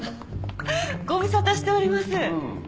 ご無沙汰しております。